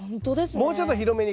もうちょっと広めに。